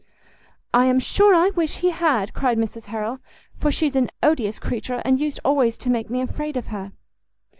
"I am sure I wish he had," cried Mrs Harrel, "for she's an odious creature, and used always to make me afraid of her."